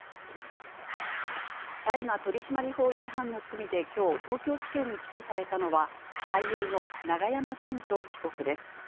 大麻取締法違反の罪できょう、東京地検に起訴されたのは、俳優の永山絢斗被告です。